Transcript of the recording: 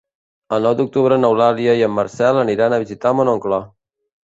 El nou d'octubre n'Eulàlia i en Marcel aniran a visitar mon oncle.